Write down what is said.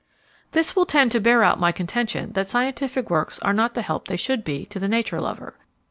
This will tend to bear out my contention that scientific works are not the help they should be to the Nature Lover.